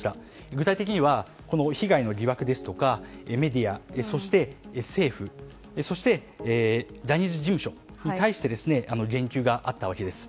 具体的には被害の疑惑やメディアそして、政府そしてジャニーズ事務所に対して言及があったわけです。